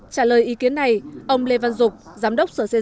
trả lời ý kiến này ông lê văn dục giáo viên hội đồng nhân dân tp hà nội